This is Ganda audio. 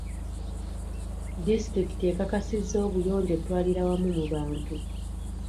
Disitulikiti ekakasizza obuyonjo twalirawamu mu bantu.